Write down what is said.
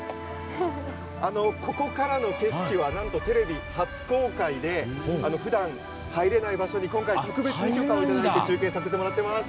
ここからの景色はなんと、テレビ初公開でふだん、入れない場所に今回、特別に許可をいただいて中継させてもらっています。